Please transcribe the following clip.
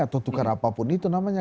atau tukar apapun itu namanya